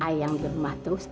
i yang gemah terus